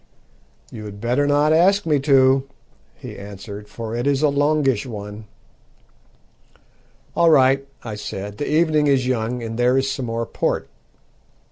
"You had better not ask me to," he answered, "for it is a longish one." "All right," I said, "the evening is young, and there is some more port."